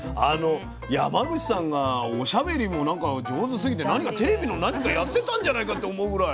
山口さんがおしゃべりも何か上手すぎてテレビの何かやってたんじゃないかって思うぐらい。